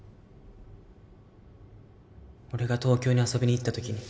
俺が東京に遊びに行った時に